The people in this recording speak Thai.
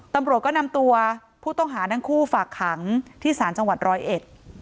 ตำรวจก็นำตัวผู้ต้องหาทั้งคู่ฝากขังที่ศาลจังหวัดร้อยเอ็ด